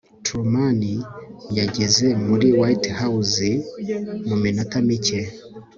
truman yageze muri white house mu minota mike